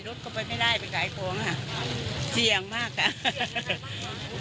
รถก็ไปไม่ได้ไปขายของค่ะเจียงมากค่ะฮ่าฮ่า